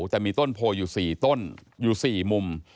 แต่มีต้นโพอยู่๔ต้นอยู่๔มุม